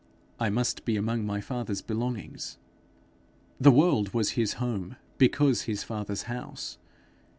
'I must be among my father's belongings.' The world was his home because his father's house.